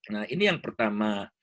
nah ini yang pertama